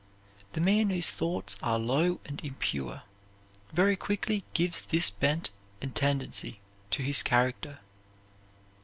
The man whose thoughts are low and impure, very quickly gives this bent and tendency to his character.